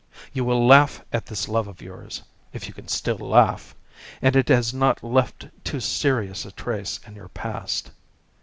You will laugh at this love of yours, if you can still laugh, and if it has not left too serious a trace in your past.